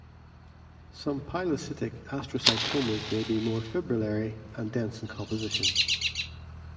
Some pilocytic astrocytomas may be more fibrillary and dense in composition.